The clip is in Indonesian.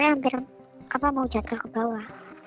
hampir mau jatuh ke bawah